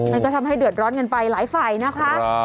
มันก็ทำให้เดือดร้อนกันไปหลายฝ่ายนะคะ